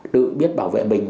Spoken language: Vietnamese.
tự biết bảo vệ mình